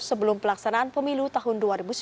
sebelum pelaksanaan pemilu tahun dua ribu sembilan belas